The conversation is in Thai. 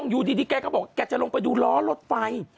อยู่ดีเค้าบอกเค้าจะลงไปดูล้อรถไฟ